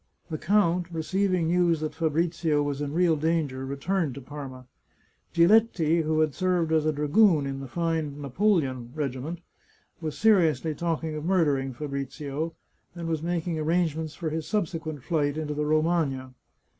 The count, receiving news that Fabrizio was in real danger, returned to Parma. Giletti, who had served as a dragoon in the fine " Napoleon " regiment, was seriously talking of murdering Fabrizio, and was making arrangements for his subsequent flight into the Romagna.